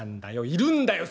いるんだよ